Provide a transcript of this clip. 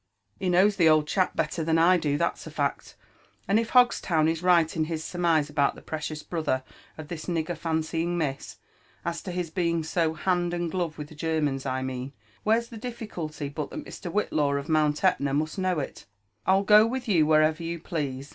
He knows the old chap better than I do, that's a Cact ; and if Hogstown is right Ia his surmise about Ae |irecious brother of this nigger £aacyiag Miss, as to his being so baad aad glove with the Germans I mean, where's ttie difficulty but that Mr. Whitlaw of Mount Etna must know it ?"'' ru go with you wherever you please.